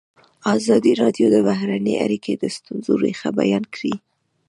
ازادي راډیو د بهرنۍ اړیکې د ستونزو رېښه بیان کړې.